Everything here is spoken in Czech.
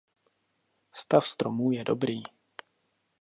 Stav stromů je dobrý.